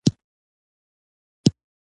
شاعرانو او سیاست پوهانو ویناوی یا لیکنې دي.